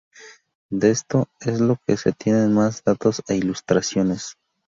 De esto es de lo que se tienen más datos e ilustraciones.